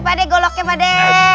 pada goloknya pada